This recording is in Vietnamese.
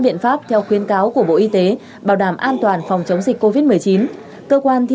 biện pháp theo khuyến cáo của bộ y tế bảo đảm an toàn phòng chống dịch covid một mươi chín cơ quan thi